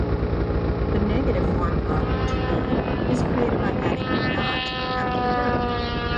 The negative form of "to be" is created by adding "not" after the verb.